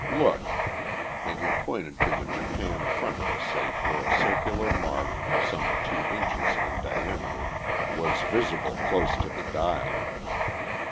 Look!" and he pointed to the japanned front of the safe where a circular mark, some two inches in diameter, was visible close to the dial.